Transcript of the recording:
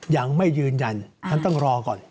ยังไม่ยืนยันฉันต้องรอก่อน